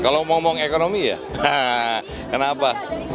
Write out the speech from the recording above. kalau ngomong ekonomi ya kenapa